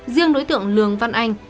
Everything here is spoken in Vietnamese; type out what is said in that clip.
riêng đối tượng lường văn anh